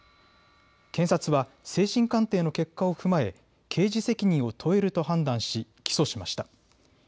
検察は精神鑑定の結果を踏まえ刑事責任を問えると判断し起訴しました。